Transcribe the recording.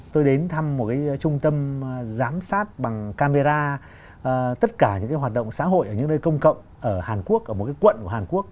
tôi đến thăm một cái trung tâm giám sát bằng camera tất cả những cái hoạt động xã hội ở những nơi công cộng ở hàn quốc ở một cái quận của hàn quốc